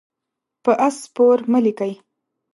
په آس سپور مه لیکئ.